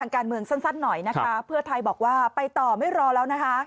การเมืองสั้นหน่อยนะคะเพื่อไทยบอกว่าไปต่อไม่รอแล้วนะคะ